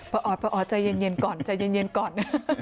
ป่าออดใจเย็นก่อนใจเย็นก่อน